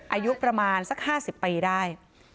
อายุประมาณสัก๕๐ปีได้